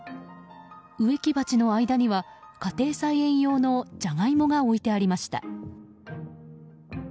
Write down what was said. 植木鉢の間には家庭菜園用のジャガイモが置いてありました。